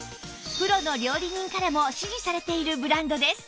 プロの料理人からも支持されているブランドです